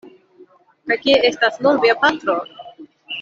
Kaj kie estas nun via patro?